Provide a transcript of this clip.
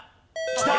きた！